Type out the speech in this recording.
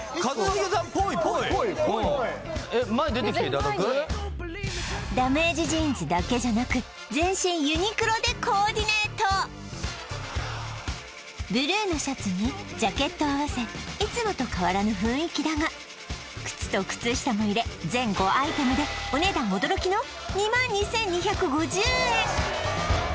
ぜひ前にダメージジーンズだけじゃなくブルーのシャツにジャケットを合わせいつもと変わらぬ雰囲気だが靴と靴下も入れ全５アイテムでお値段驚きの２万２２５０円